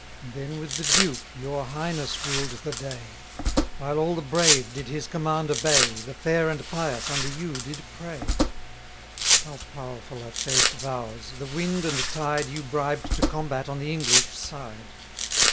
20 Then with the duke your highness ruled the day: While all the brave did his command obey, The fair and pious under you did pray. How powerful are chaste vows! the wind and tide You bribed to combat on the English, side.